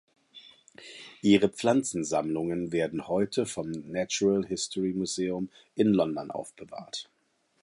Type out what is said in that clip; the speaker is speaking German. Ihre Pflanzensammlungen werden heute vom Natural History Museum in London aufbewahrt.